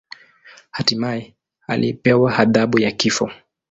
Hatimaye alipewa adhabu ya kifo.